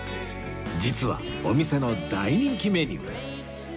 実はお店の大人気メニュー